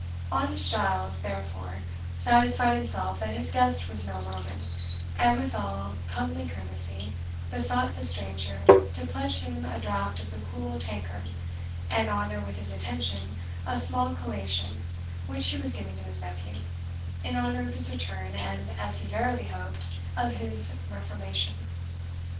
Honest Giles, therefore, satisfied himself that his guest was no Roman, and with all comely courtesy besought the stranger to pledge him in a draught of the cool tankard, and honour with his attention a small collation which he was giving to his nephew, in honour of his return, and, as he verily hoped, of his reformation.